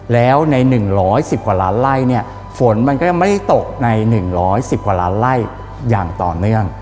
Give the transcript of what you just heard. แล้วใน๑๑๐กว่าล้านไล่เนี่ยฝนมันก็ยังไม่ได้ตกใน๑๑๐กว่าล้านไล่อย่างต่อเนื่อง